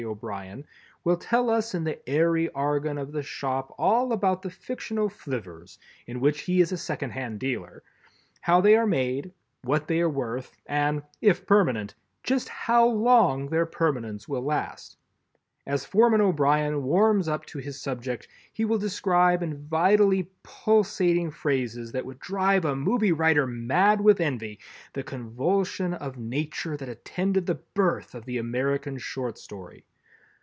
O'Brien, will tell us in the airy argon of the shop all about the Fictional Flivvers—in which he is a second hand dealer—how they are made, what they are worth and, if permanent, just how long their permanence will last. As Foreman O'Brien warms up to his subject he will describe in vitally pulsating phrases that would drive a movie writer mad with envy, the convulsion of Nature that attended the birth of the American Short Story.